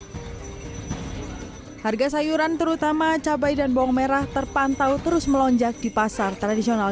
hai harga sayuran terutama cabai dan bawang merah terpantau terus melonjak di pasar tradisional